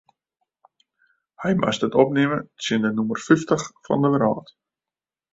Hy moast it opnimme tsjin de nûmer fyftich fan de wrâld.